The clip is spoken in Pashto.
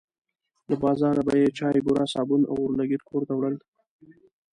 له بازاره به یې چای، بوره، صابون او اورلګیت کور ته وړل.